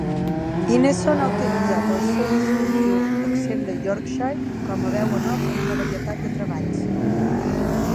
Ineson ha utilitzat el seu distintiu accent de Yorkshire com a veu en off en una varietat de treballs.